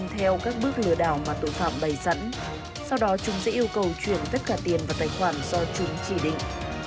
theo các bước lừa đảo mà tội phạm bày dẫn sau đó chúng sẽ yêu cầu chuyển tất cả tiền vào tài khoản do chúng chỉ định